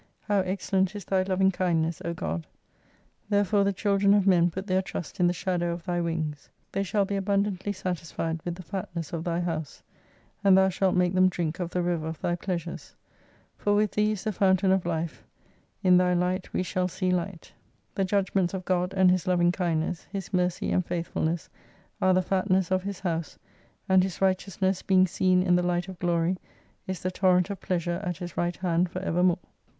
LLow excellent is Thy lovi7tg kindness, O God ! Therefore the child7 en of men put their trust in the shadow of Thy wings. They shall be abundantly satisfied ivith the fatness of Thy house ; and Thou shall make them drink of the river of Thy pleasures. For with Thee is the Fountain of Life. In Thy light tvs shall see light. The judgments of God, and His loving kindness, His mercy and faithfulness, are the fatness of His house, and His righteousness being seen in the Light of Glory is the torrent of pleasure at His right hand for evermore.